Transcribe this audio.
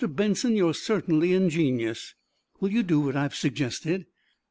Benson, you're certainly ingenious!" "Will you do what I've suggested?"